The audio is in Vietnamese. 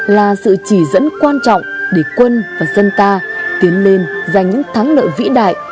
là sự chỉ dẫn quan trọng để quân và dân ta tiến lên giành những thắng lợi vĩ đại